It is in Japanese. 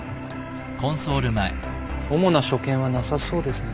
主な所見はなさそうですね。